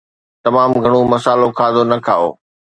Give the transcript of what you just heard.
تمام گهڻو مصالحو کاڌو نه کائو